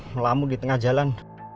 melamu di tengah jalan